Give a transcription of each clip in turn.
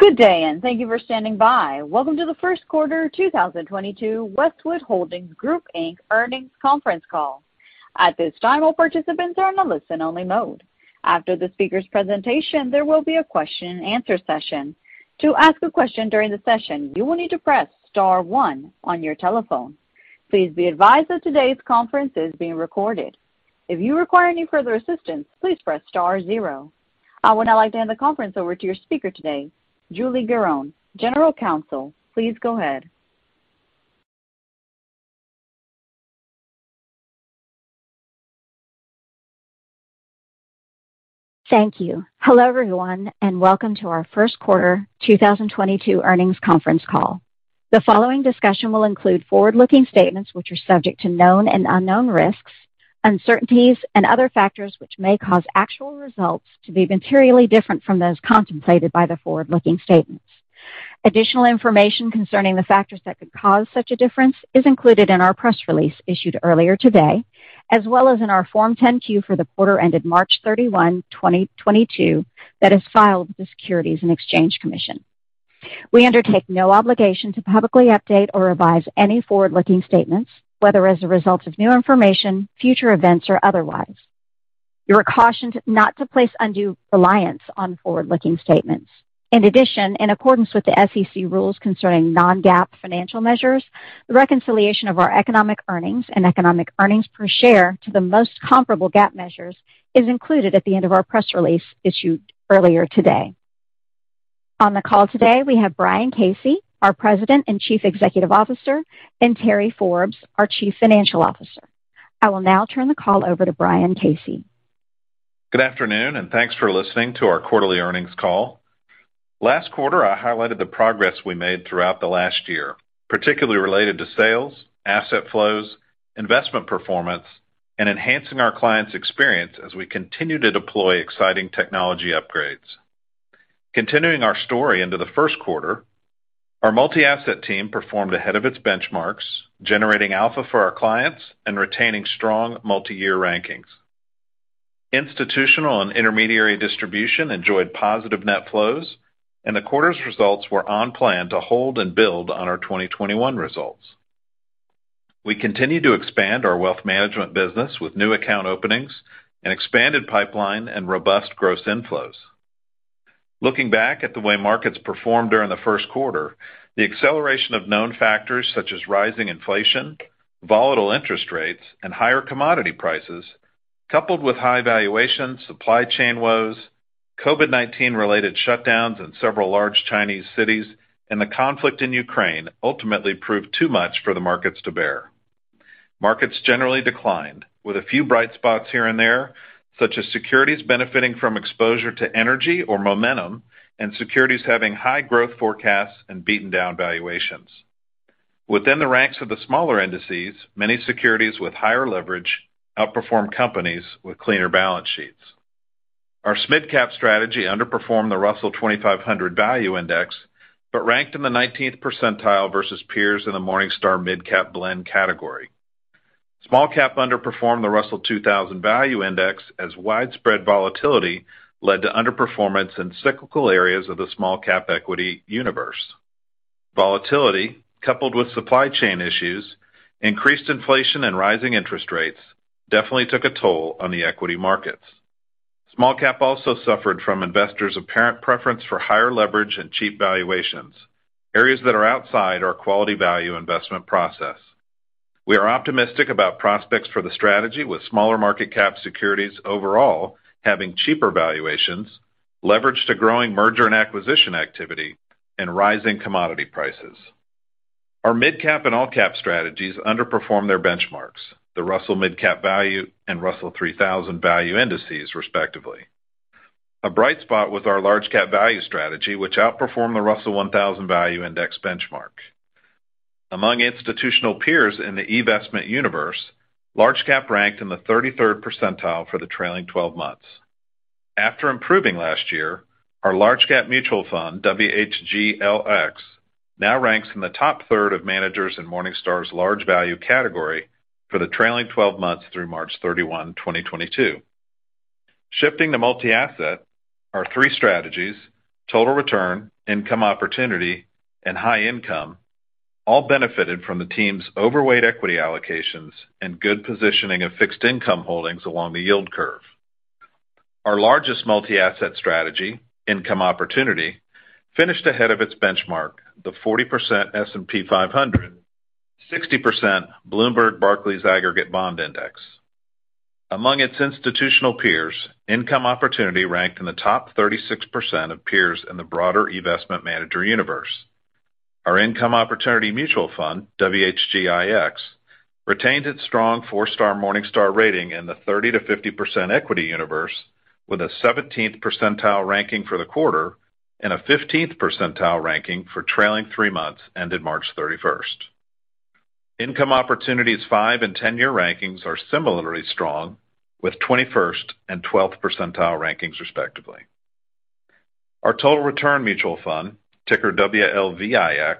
Good day, and thank you for standing by. Welcome to the first quarter 2022 Westwood Holdings Group, Inc. earnings conference call. At this time, all participants are in a listen only mode. After the speaker's presentation, there will be a question and answer session. To ask a question during the session, you will need to press star one on your telephone. Please be advised that today's conference is being recorded. If you require any further assistance, please press star zero. I would now like to hand the conference over to your speaker today, Julie Gerron, General Counsel. Please go ahead. Thank you. Hello, everyone, and welcome to our first quarter 2022 earnings conference call. The following discussion will include forward-looking statements which are subject to known and unknown risks, uncertainties and other factors which may cause actual results to be materially different from those contemplated by the forward-looking statements. Additional information concerning the factors that could cause such a difference is included in our press release issued earlier today, as well as in our Form 10-Q for the quarter ended March 31, 2022 that is filed with the Securities and Exchange Commission. We undertake no obligation to publicly update or revise any forward-looking statements, whether as a result of new information, future events, or otherwise. You are cautioned not to place undue reliance on forward-looking statements. In addition, in accordance with the SEC rules concerning non-GAAP financial measures, the reconciliation of our economic earnings and economic earnings per share to the most comparable GAAP measures is included at the end of our press release issued earlier today. On the call today, we have Brian Casey, our President and Chief Executive Officer, and Terry Forbes, our Chief Financial Officer. I will now turn the call over to Brian Casey. Good afternoon, and thanks for listening to our quarterly earnings call. Last quarter, I highlighted the progress we made throughout the last year, particularly related to sales, asset flows, investment performance, and enhancing our clients' experience as we continue to deploy exciting technology upgrades. Continuing our story into the first quarter, our multi-asset team performed ahead of its benchmarks, generating alpha for our clients and retaining strong multi-year rankings. Institutional and intermediary distribution enjoyed positive net flows, and the quarter's results were on plan to hold and build on our 2021 results. We continue to expand our wealth management business with new account openings, an expanded pipeline, and robust gross inflows. Looking back at the way markets performed during the first quarter, the acceleration of known factors such as rising inflation, volatile interest rates, and higher commodity prices, coupled with high valuations, supply chain woes, COVID-19 related shutdowns in several large Chinese cities, and the conflict in Ukraine ultimately proved too much for the markets to bear. Markets generally declined, with a few bright spots here and there, such as securities benefiting from exposure to energy or momentum and securities having high growth forecasts and beaten down valuations. Within the ranks of the smaller indices, many securities with higher leverage outperformed companies with cleaner balance sheets. Our mid-cap strategy underperformed the Russell 2500 Value Index, but ranked in the 19th percentile versus peers in the Morningstar Mid-Cap Blend category. Small-cap underperformed the Russell 2000 Value Index as widespread volatility led to underperformance in cyclical areas of the small-cap equity universe. Volatility, coupled with supply chain issues, increased inflation and rising interest rates definitely took a toll on the equity markets. Small-cap also suffered from investors' apparent preference for higher leverage and cheap valuations, areas that are outside our quality value investment process. We are optimistic about prospects for the strategy with smaller market cap securities overall having cheaper valuations, leverage to growing merger and acquisition activity, and rising commodity prices. Our mid-cap and all-cap strategies underperform their benchmarks, the Russell Midcap Value Index and Russell 3000 Value Index, respectively. A bright spot with our large-cap value strategy, which outperformed the Russell 1000 Value Index benchmark. Among institutional peers in the investment universe, large cap ranked in the 33rd percentile for the trailing twelve months. After improving last year, our large cap mutual fund, WHGLX, now ranks in the top third of managers in Morningstar's large value category for the trailing twelve months through March 31, 2022. Shifting to multi-asset, our three strategies, total return, income opportunity, and high income all benefited from the team's overweight equity allocations and good positioning of fixed income holdings along the yield curve. Our largest multi-asset strategy, income opportunity, finished ahead of its benchmark, the 40% S&P 500, 60% Bloomberg Barclays Aggregate Bond Index. Among its institutional peers, income opportunity ranked in the top 36% of peers in the broader investment manager universe. Our Income Opportunity mutual fund, WHGIX, retained its strong four-star Morningstar rating in the 30%-50% equity universe with a 17th percentile ranking for the quarter and a 15th percentile ranking for trailing three months ended March 31. Income Opportunity's five- and 10-year rankings are similarly strong with 21st and 12th percentile rankings respectively. Our Total Return mutual fund, ticker WLVIX,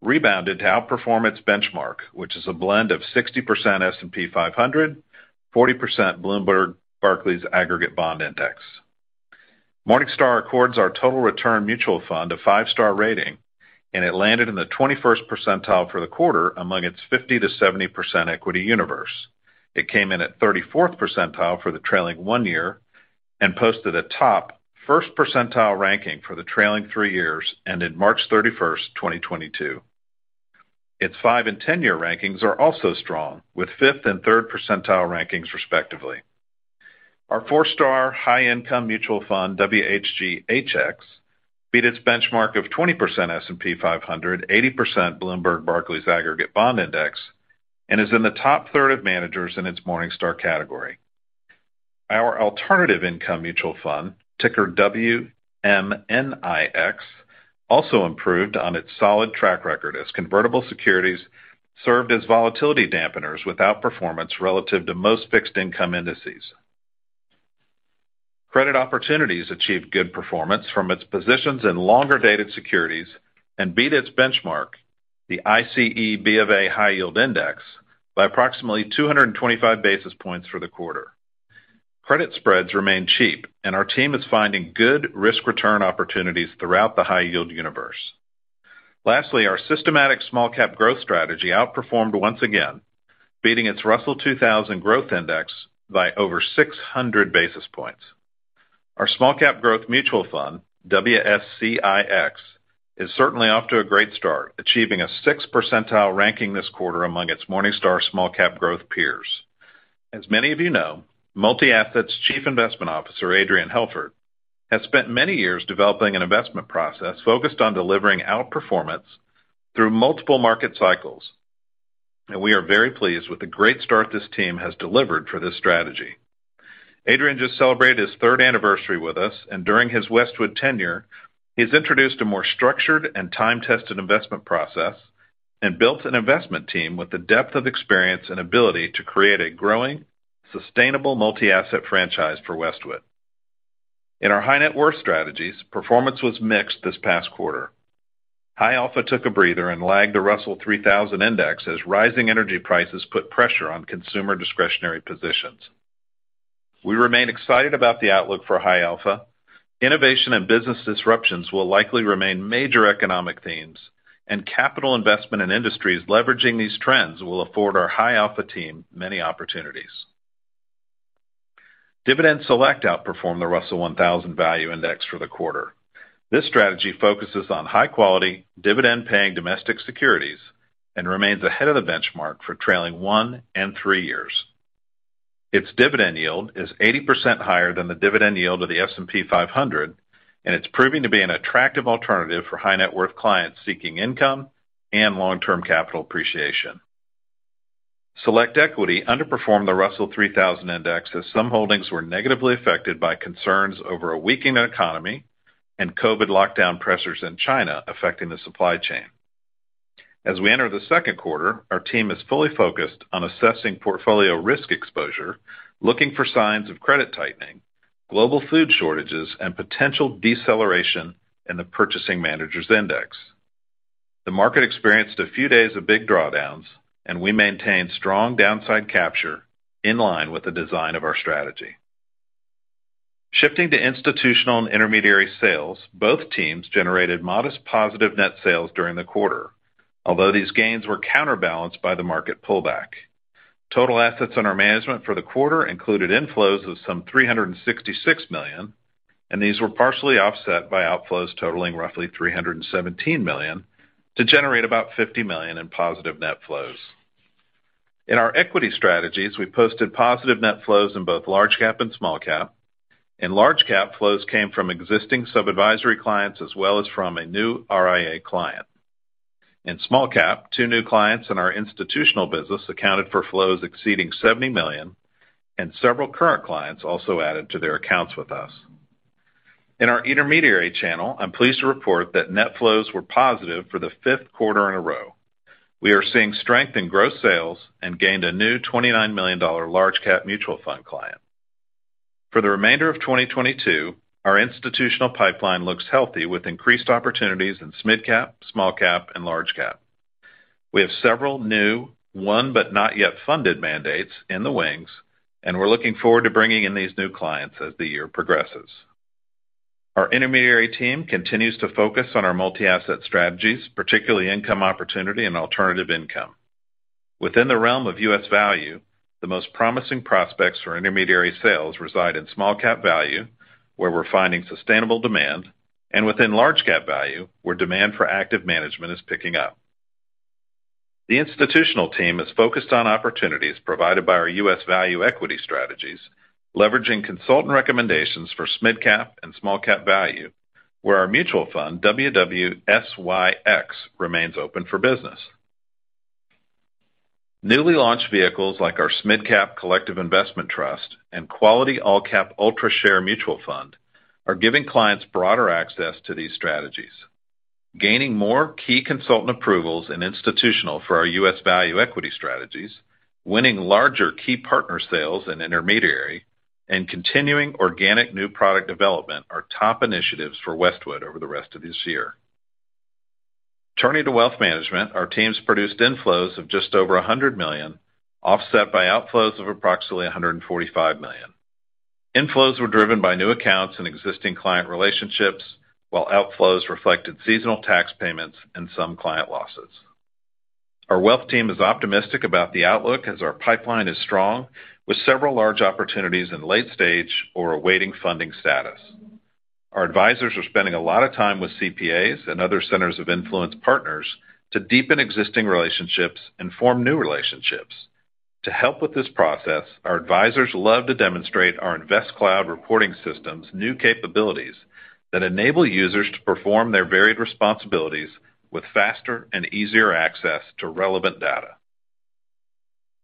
rebounded to outperform its benchmark, which is a blend of 60% S&P 500, 40% Bloomberg Barclays Aggregate Bond Index. Morningstar accords our Total Return mutual fund a five-star rating, and it landed in the 21st percentile for the quarter among its 50%-70% equity universe. It came in at 34th percentile for the trailing one year and posted a top 1st percentile ranking for the trailing three years and in March 31, 2022. Its five- and 10-year rankings are also strong with 5th and 3rd percentile rankings respectively. Our four-star High Income mutual fund, WHGHX, beat its benchmark of 20% S&P 500, 80% Bloomberg Barclays Aggregate Bond Index, and is in the top third of managers in its Morningstar category. Our Alternative Income mutual fund, ticker WMNIX, also improved on its solid track record as convertible securities served as volatility dampeners without performance relative to most fixed income indices. Credit Opportunities achieved good performance from its positions in longer-dated securities and beat its benchmark, the ICE BofA High Yield Index, by approximately 225 basis points for the quarter. Credit spreads remain cheap, and our team is finding good risk-return opportunities throughout the high yield universe. Lastly, our systematic SmallCap growth strategy outperformed once again, beating its Russell 2000 Growth Index by over 600 basis points. Our small-cap growth mutual fund, WSCIX, is certainly off to a great start, achieving a six percentile ranking this quarter among its Morningstar small-cap growth peers. As many of you know, Multi-Asset's Chief Investment Officer, Adrian Helfert, has spent many years developing an investment process focused on delivering outperformance through multiple market cycles. We are very pleased with the great start this team has delivered for this strategy. Adrian just celebrated his third anniversary with us, and during his Westwood tenure, he's introduced a more structured and time-tested investment process and built an investment team with the depth of experience and ability to create a growing, sustainable multi-asset franchise for Westwood. In our high net worth strategies, performance was mixed this past quarter. High Alpha took a breather and lagged the Russell 3000 Index as rising energy prices put pressure on consumer discretionary positions. We remain excited about the outlook for High Alpha. Innovation and business disruptions will likely remain major economic themes, and capital investment in industries leveraging these trends will afford our High Alpha team many opportunities. Dividend Select outperformed the Russell 1000 Value Index for the quarter. This strategy focuses on high-quality dividend-paying domestic securities and remains ahead of the benchmark for trailing one and three years. Its dividend yield is 80% higher than the dividend yield of the S&P 500, and it's proving to be an attractive alternative for high net worth clients seeking income and long-term capital appreciation. Select Equity underperformed the Russell 3000 Index as some holdings were negatively affected by concerns over a weakening economy and COVID lockdown pressures in China affecting the supply chain. As we enter the second quarter, our team is fully focused on assessing portfolio risk exposure, looking for signs of credit tightening, global food shortages, and potential deceleration in the Purchasing Managers' Index. The market experienced a few days of big drawdowns, and we maintained strong downside capture in line with the design of our strategy. Shifting to institutional and intermediary sales, both teams generated modest positive net sales during the quarter, although these gains were counterbalanced by the market pullback. Total assets under management for the quarter included inflows of some 366 million, and these were partially offset by outflows totaling roughly 317 million to generate about 50 million in positive net flows. In our equity strategies, we posted positive net flows in both large cap and small cap, and large cap flows came from existing sub-advisory clients as well as from a new RIA client. In small cap, two new clients in our institutional business accounted for flows exceeding 70 million, and several current clients also added to their accounts with us. In our intermediary channel, I'm pleased to report that net flows were positive for the fifth quarter in a row. We are seeing strength in gross sales and gained a new $29 million large cap mutual fund client. For the remainder of 2022, our institutional pipeline looks healthy with increased opportunities in mid cap, small cap, and large cap. We have several new, but not yet funded, mandates in the wings, and we're looking forward to bringing in these new clients as the year progresses. Our intermediary team continues to focus on our multi-asset strategies, particularly Income Opportunity and Alternative Income. Within the realm of U.S. value, the most promising prospects for intermediary sales reside in small-cap value, where we're finding sustainable demand, and within large-cap value, where demand for active management is picking up. The institutional team is focused on opportunities provided by our U.S. value equity strategies, leveraging consultant recommendations for mid-cap and small-cap value, where our mutual fund, WWSYX, remains open for business. Newly launched vehicles like our mid-cap collective investment trust and Quality AllCap Fund Ultra Shares are giving clients broader access to these strategies. Gaining more key consultant approvals in institutional for our U.S. value equity strategies, winning larger key partner sales in intermediary and continuing organic new product development are top initiatives for Westwood over the rest of this year. Turning to wealth management, our teams produced inflows of just over 100 million, offset by outflows of approximately 145 million. Inflows were driven by new accounts and existing client relationships, while outflows reflected seasonal tax payments and some client losses. Our wealth team is optimistic about the outlook as our pipeline is strong, with several large opportunities in late stage or awaiting funding status. Our advisors are spending a lot of time with CPAs and other centers of influence partners to deepen existing relationships and form new relationships. To help with this process, our advisors love to demonstrate our InvestCloud reporting system's new capabilities that enable users to perform their varied responsibilities with faster and easier access to relevant data.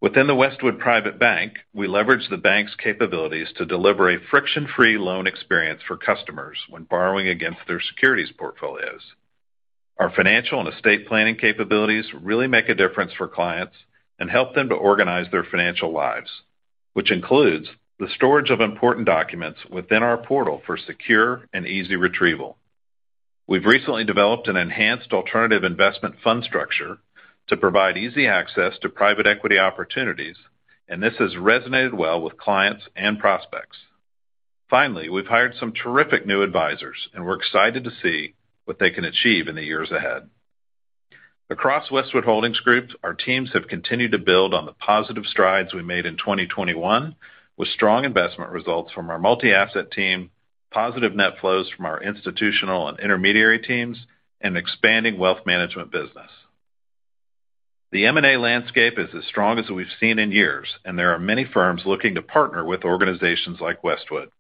Within the Westwood Private Bank, we leverage the bank's capabilities to deliver a friction-free loan experience for customers when borrowing against their securities portfolios. Our financial and estate planning capabilities really make a difference for clients and help them to organize their financial lives, which includes the storage of important documents within our portal for secure and easy retrieval. We've recently developed an enhanced alternative investment fund structure to provide easy access to private equity opportunities, and this has resonated well with clients and prospects. Finally, we've hired some terrific new advisors, and we're excited to see what they can achieve in the years ahead. Across Westwood Holdings Group, our teams have continued to build on the positive strides we made in 2021 with strong investment results from our multi-asset team, positive net flows from our institutional and intermediary teams, and expanding wealth management business. The M and A landscape is as strong as we've seen in years, and there are many firms looking to partner with organizations like Westwood.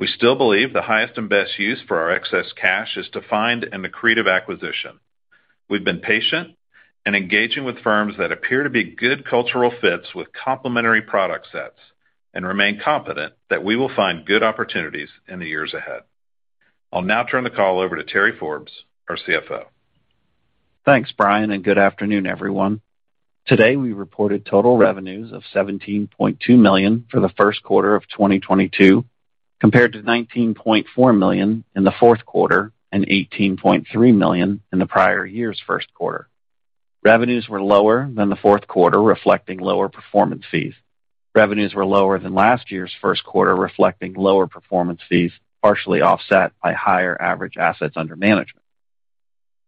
We still believe the highest and best use for our excess cash is to find an accretive acquisition. We've been patient and engaging with firms that appear to be good cultural fits with complementary product sets and remain confident that we will find good opportunities in the years ahead. I'll now turn the call over to Terry Forbes, our CFO. Thanks, Brian, and good afternoon, everyone. Today, we reported total revenues of 17.2 million for the first quarter of 2022, compared to 19.4 million in the fourth quarter and 18.3 million in the prior year's first quarter. Revenues were lower than the fourth quarter, reflecting lower performance fees. Revenues were lower than last year's first quarter, reflecting lower performance fees, partially offset by higher average assets under management.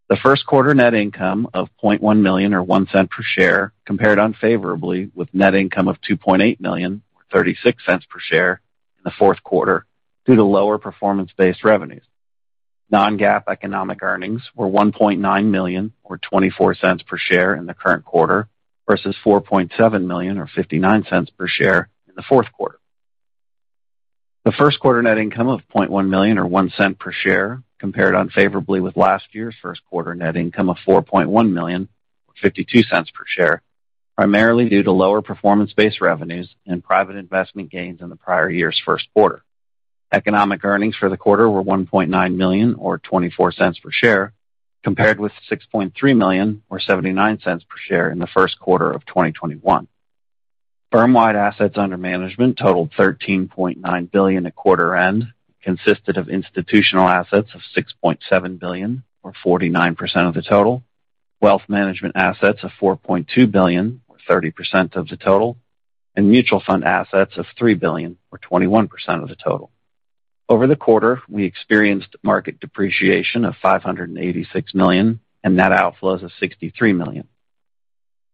The first quarter net income of 0.1 million or 0.01 per share compared unfavorably with net income of 2.8 million or 0.36 per share in the fourth quarter due to lower performance-based revenues. Non-GAAP economic earnings were 1.9 million or 0.24 per share in the current quarter versus 4.7 million or 0.59 per share in the fourth quarter. The first quarter net income of 0.1 million or 0.01 per share compared unfavorably with last year's first quarter net income of 4.1 million or 0.52 per share, primarily due to lower performance-based revenues and private investment gains in the prior year's first quarter. Economic earnings for the quarter were 1.9 million or 0.24 per share, compared with 6.3 million or 0.79 per share in the first quarter of 2021. Firm-wide assets under management totaled $13.9 billion at quarter end, consisted of institutional assets of 6.7 billion or 49% of the total, wealth management assets of 4.2 billion or 30% of the total, and mutual fund assets of 3 billion or 21% of the total. Over the quarter, we experienced market depreciation of 586 million and net outflows of 63 million.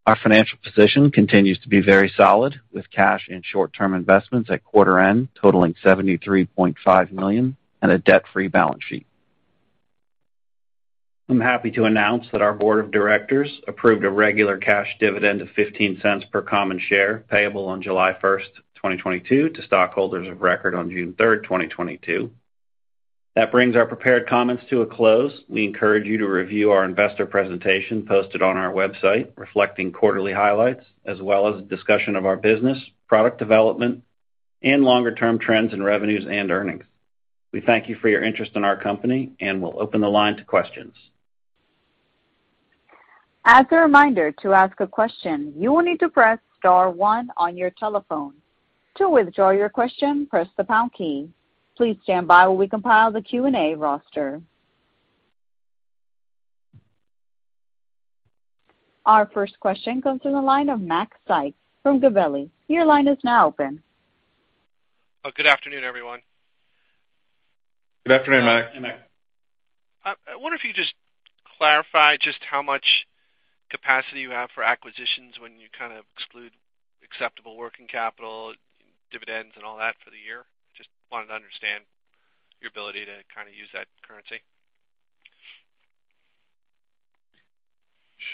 Our financial position continues to be very solid, with cash and short-term investments at quarter end totaling 73.5 million and a debt-free balance sheet. I'm happy to announce that our board of directors approved a regular cash dividend of 0.15 per common share payable on July 1st, 2022 to stockholders of record on June 3rd, 2022. That brings our prepared comments to a close. We encourage you to review our investor presentation posted on our website reflecting quarterly highlights as well as a discussion of our business, product development, and longer-term trends in revenues and earnings. We thank you for your interest in our company, and we'll open the line to questions. As a reminder, to ask a question, you will need to press star one on your telephone. To withdraw your question, press the pound key. Please stand by while we compile the Q&A roster. Our first question comes from the line of Macrae Sykes from Gabelli. Your line is now open. Oh, good afternoon, everyone. Good afternoon, Max. Hey, Max. I wonder if you just clarify just how much capacity you have for acquisitions when you kind of exclude acceptable working capital, dividends and all that for the year. Just wanted to understand your ability to kind of use that currency.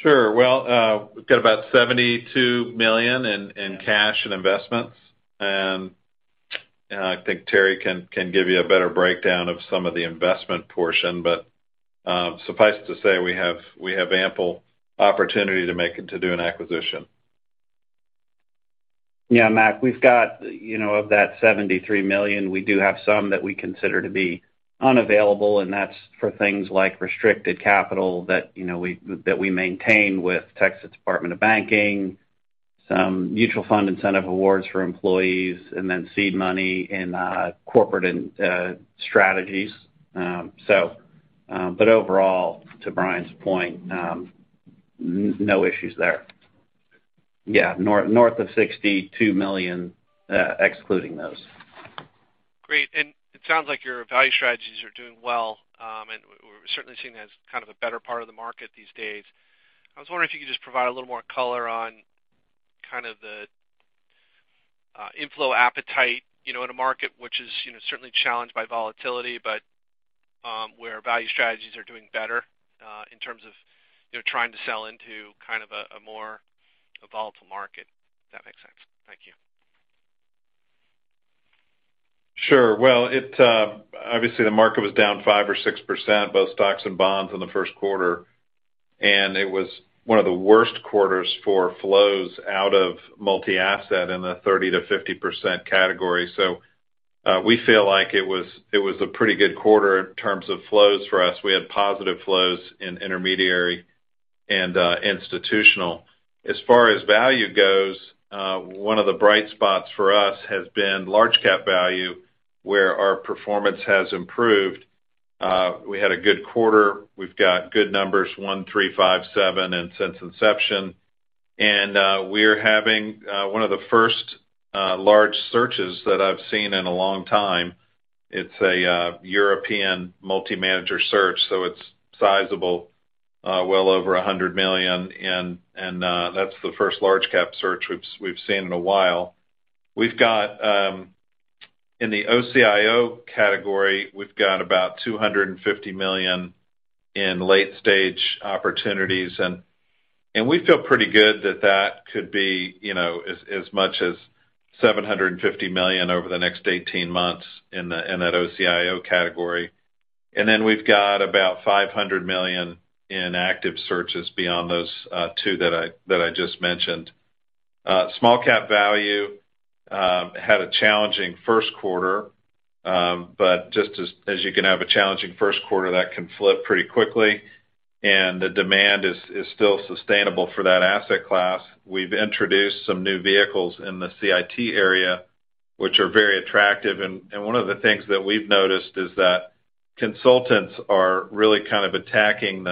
Sure. Well, we've got about 72 million in cash and investments. I think Terry can give you a better breakdown of some of the investment portion. Suffice to say, we have ample opportunity to make it to do an acquisition. Yeah, Max, we've got, you know, of that 73 million, we do have some that we consider to be unavailable, and that's for things like restricted capital that we maintain with Texas Department of Banking, some mutual fund incentive awards for employees, and then seed money in corporate and strategies. Overall, to Brian's point, no issues there. Yeah, north of $62 million, excluding those. Great. It sounds like your value strategies are doing well. We're certainly seeing that as kind of a better part of the market these days. I was wondering if you could just provide a little more color on kind of the inflow appetite, you know, in a market which is, you know, certainly challenged by volatility, but where value strategies are doing better, in terms of, you know, trying to sell into kind of a more volatile market, if that makes sense. Thank you. Sure. Well, obviously the market was down 5% or 6%, both stocks and bonds, in the first quarter, and it was one of the worst quarters for flows out of multi-asset in the 30%-50% category. We feel like it was a pretty good quarter in terms of flows for us. We had positive flows in intermediary and institutional. As far as value goes, one of the bright spots for us has been large cap value, where our performance has improved. We had a good quarter. We've got good numbers, one, three, five, seven, and since inception. We're having one of the first large searches that I've seen in a long time. It's a European multi-manager search, so it's sizable, well over 100 million. That's the first large-cap search we've seen in a while. We've got in the OCIO category about 250 million in late-stage opportunities. We feel pretty good that could be you know as much as 750 million over the next 18 months in that OCIO category. We've got about 500 million in active searches beyond those two that I just mentioned. Small-cap value had a challenging first quarter. Just as you can have a challenging first quarter, that can flip pretty quickly, and the demand is still sustainable for that asset class. We've introduced some new vehicles in the CIT area, which are very attractive. One of the things that we've noticed is that consultants are really kind of attacking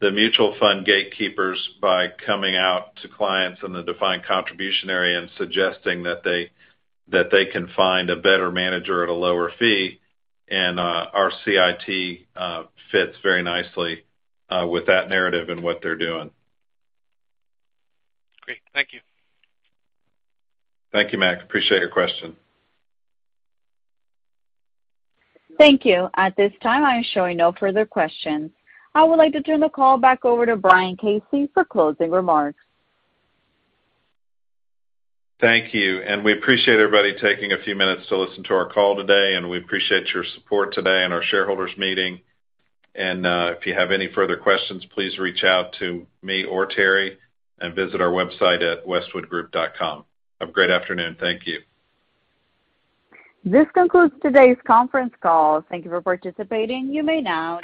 the mutual fund gatekeepers by coming out to clients in the defined contribution area and suggesting that they can find a better manager at a lower fee. Our CIT fits very nicely with that narrative and what they're doing. Great. Thank you. Thank you, Max. Appreciate your question. Thank you. At this time I am showing no further questions. I would like to turn the call back over to Brian Casey for closing remarks. Thank you. We appreciate everybody taking a few minutes to listen to our call today, and we appreciate your support today in our shareholders meeting. If you have any further questions, please reach out to me or Terry and visit our website at westwoodgroup.com. Have a great afternoon. Thank you. This concludes today's conference call. Thank you for participating. You may now disconnect.